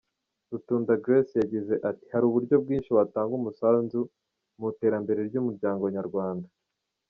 Rutunda Grace yagize ati “Hari uburyo bwinshi watanga umusanzu mu iterambere ry’umuryango Nyarwanda.